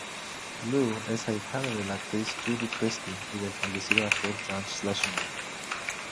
Lou es ahijada de la actriz Julie Christie y del fallecido actor John Schlesinger.